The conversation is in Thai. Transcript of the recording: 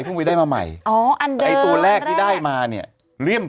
เพิ่งไปได้มาใหม่อ๋ออันเดิมตัวแรกที่ได้มาเนี้ยเลี่ยม